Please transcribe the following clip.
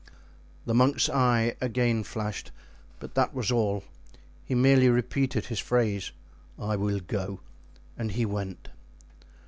The monk's eye again flashed, but that was all; he merely repeated his phrase, "I will go,"—and he went.